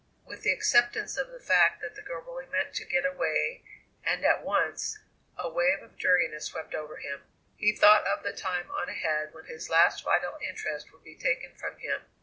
With the acceptance of the fact that the girl really meant to get away and at once, a wave of dreariness swept over him. He thought of the time on ahead when his last vital interest would be taken from him.